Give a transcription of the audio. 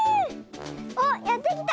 おっやってきた！